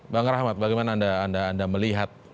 bang rahmat bagaimana anda melihat